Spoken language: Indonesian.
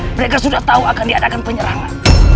mereka sudah tahu akan diadakan penyerangan